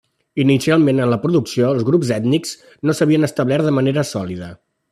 Inicialment en la producció, els grups ètnics no s'havien establert de manera sòlida.